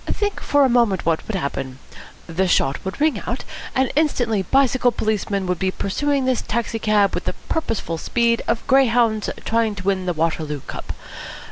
Think for a moment what would happen. The shot would ring out, and instantly bicycle policemen would be pursuing this taxi cab with the purposeful speed of greyhounds trying to win the Waterloo Cup.